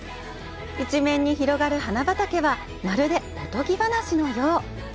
一面に広がる花畑はまるで、おとぎ話のよう。